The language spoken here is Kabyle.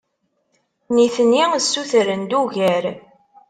Nitni ssutren-d ugar.